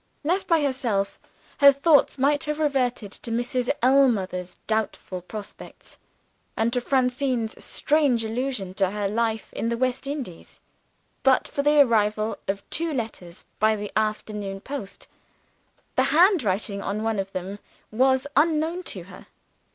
Left by herself, her thoughts might have reverted to Mrs. Ellmother's doubtful prospects, and to Francine's strange allusion to her life in the West Indies, but for the arrival of two letters by the afternoon post. The handwriting on one of them was unknown to her.